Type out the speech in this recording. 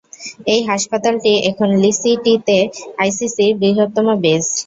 এই হাসপাতালটি এখন লিসিটি-তে আইসিসির বৃহত্তম বেস।